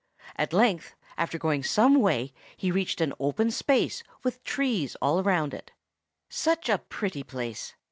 At length, after going some way, he reached an open space, with trees all round it. Such a pretty place!